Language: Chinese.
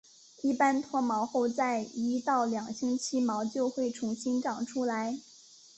一般脱毛后在一到两个星期毛就回重新长出来。